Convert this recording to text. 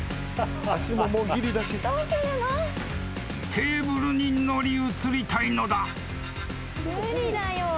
［テーブルに乗り移りたいのだ］